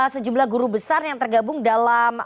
sejumlah guru besar yang tergabung dalam